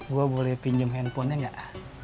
gua boleh pinjem handphonenya nggak